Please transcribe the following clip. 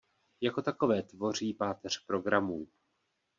Jako takové tvoří páteř programů.